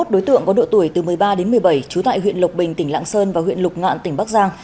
hai mươi đối tượng có độ tuổi từ một mươi ba đến một mươi bảy trú tại huyện lộc bình tỉnh lạng sơn và huyện lục ngạn tỉnh bắc giang